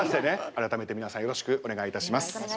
改めて皆さんよろしくお願いいたします。